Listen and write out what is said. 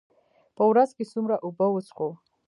په ورځ کې څومره اوبه وڅښو؟